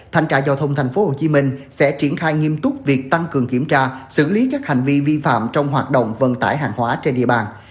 thành tra giao thông tp hcm sẽ triển khai nghiêm túc việc tăng cường kiểm tra xử lý các hành vi vi phạm trong hoạt động vận tải hàng hóa trên địa bàn